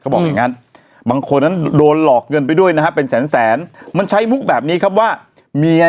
บางคนโดนหลอกเงินไปด้วยนะครับ